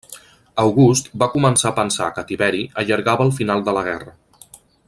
August va començar a pensar que Tiberi allargava el final de la guerra.